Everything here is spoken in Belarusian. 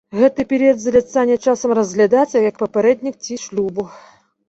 Гэты перыяд заляцання часам разглядаецца як папярэднік ці шлюбу.